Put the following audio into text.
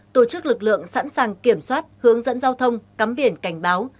tổ chức lực lượng sẵn sàng kiểm soát hướng dẫn giao thông cắm biển cảnh báo